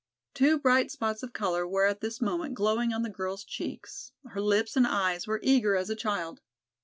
Two bright spots of color were at this moment glowing on the girl's cheeks, her lips and eyes were eager as a child.